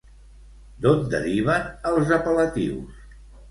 D'on deriven els apel·latius?